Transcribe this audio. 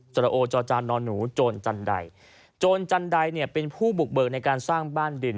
จรโรจรจานอนหนูโจรจันดัยโจรจันดัยเป็นผู้บุกเบิกในการสร้างบ้านดิน